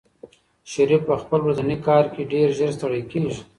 شریف په خپل ورځني کار کې ډېر ژر ستړی کېږي.